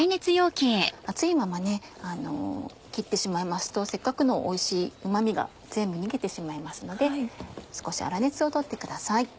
熱いまま切ってしまいますとせっかくのおいしいうま味が全部逃げてしまいますので少し粗熱を取ってください。